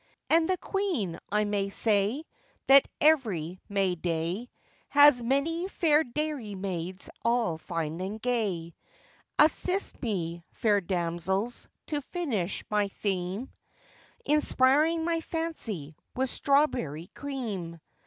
And the Queen, I may say, That every May day, Has many fair dairy maids all fine and gay. Assist me, fair damsels, to finish my theme, Inspiring my fancy with strawberry cream.